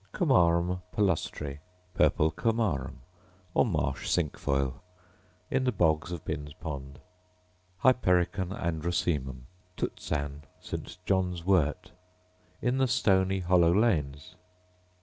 Comarum palustre, purple comarum, or marsh cinquefoil, — in the bogs of Bin's pond. Hypericon androsaemum, tutsan, St. John's wort, — in the stony, hollow lanes.